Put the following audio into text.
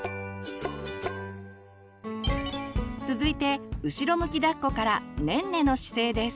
続いて後ろ向きだっこからねんねの姿勢です。